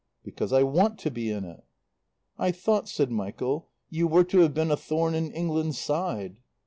"Because I want to be in it." "I thought," said Michael, "you were to have been a thorn in England's side?"